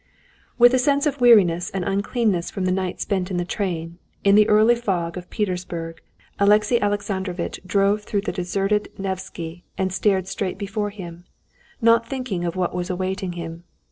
With a sense of weariness and uncleanness from the night spent in the train, in the early fog of Petersburg Alexey Alexandrovitch drove through the deserted Nevsky and stared straight before him, not thinking of what was awaiting him.